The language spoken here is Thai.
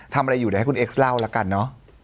ทำอะไรอยู่เดี๋ยวให้คุณเอ็กซเล่าละกันเนอะ